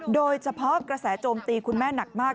โดยเฉพาะกระแสโจมตีคุณแม่หนักมาก